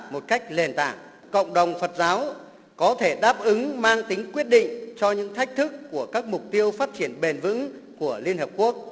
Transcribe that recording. một cách lền tảng cộng đồng phật giáo có thể đáp ứng mang tính quyết định cho những thách thức của các mục tiêu phát triển bền vững của liên hợp quốc